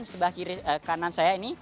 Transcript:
di sebelah kanan saya ini